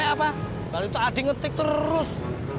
gak ada apa apa kali itu adik ngetik terus